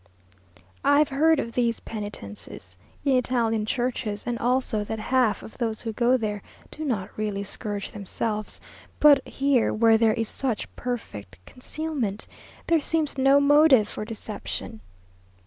I have heard of these penitences in Italian churches, and also that half of those who go there do not really scourge themselves; but here where there is such perfect concealment, there seems no motive for deception.